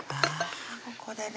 ここでね